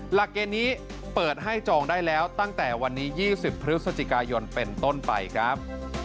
หลักเกณฑ์นี้เปิดให้จองได้แล้วตั้งแต่วันนี้๒๐พฤศจิกายนเป็นต้นไปครับ